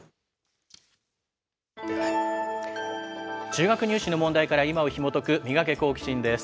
中学入試の問題から今をひもとくミガケ、好奇心！です。